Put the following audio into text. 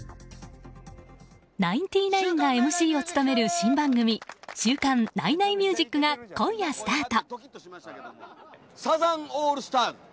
ナインティナインがＭＣを務める新番組「週刊ナイナイミュージック」が今夜スタート。